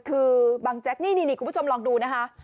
คือบางแจ๊กนี่คุณผู้ชมลองดูนะคะ